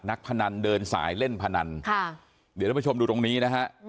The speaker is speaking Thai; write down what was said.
นักภนรเดินสายเล่นพนันค่ะเดี๋ยวรับชมดูตรงนี้นะคะอืม